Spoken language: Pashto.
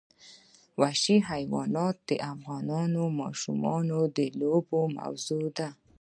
وحشي حیوانات د افغان ماشومانو د لوبو موضوع ده.